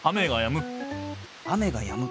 雨がやむ。